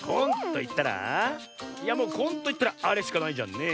いやもう「こん」といったらあれしかないじゃんねえ。